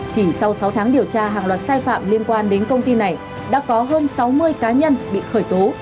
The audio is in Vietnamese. chỉ sau sáu tháng điều tra hàng loạt sai phạm liên quan đến công ty này đã có hơn sáu mươi cá nhân bị khởi tố